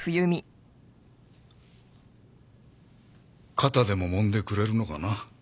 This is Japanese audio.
肩でも揉んでくれるのかな？